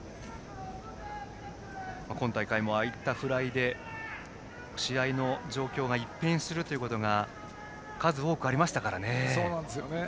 今大会も、ああいったフライで試合の状況が一変するということが数多くありましたからね。